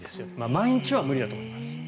毎日は無理だと思います。